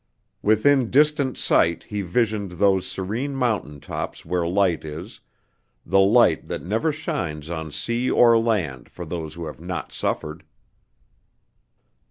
Within distant sight he visioned those serene mountain tops where light is, the light that never shines on sea or land for those who have not suffered.